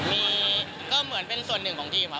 มีก็เหมือนเป็นส่วนหนึ่งของทีมครับ